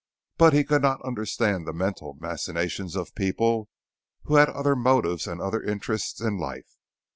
But he could not understand the mental machinations of people who had other motives and other interests in life.